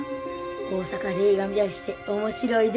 大阪で映画見たりして面白いで。